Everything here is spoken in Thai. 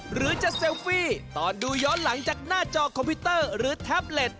หรือจะเซลฟี่ตอนดูย้อนหลังจากหน้าจอคอมพิวเตอร์หรือแท็บเล็ต